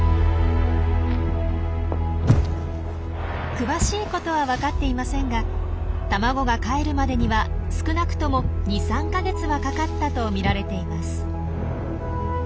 詳しいことは分かっていませんが卵がかえるまでには少なくとも２３か月はかかったと見られています。